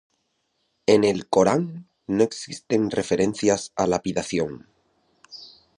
En el Corán no existen referencias a lapidación.